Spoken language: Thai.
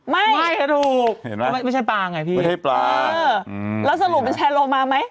ไม่ไม่ก็ถูกไม่ใช่ปลาไงพี่แล้วสรุปเป็นแชร์โลมาไหม